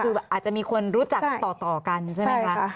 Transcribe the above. คืออาจจะมีคนรู้จักต่อกันใช่ไหมคะ